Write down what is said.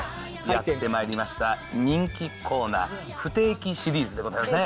やってまいりました、人気コーナー、不定期シリーズでございますね。